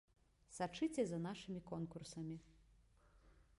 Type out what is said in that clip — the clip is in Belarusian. Сачыце за нашымі конкурсамі!